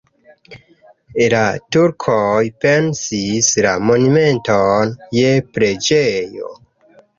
La turkoj pensis la monumenton je preĝejo.